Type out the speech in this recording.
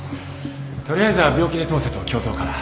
取りあえずは病気で通せと教頭から。